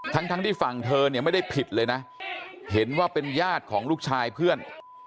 ทั้งทั้งที่ฝั่งเธอเนี่ยไม่ได้ผิดเลยนะเห็นว่าเป็นญาติของลูกชายเพื่อน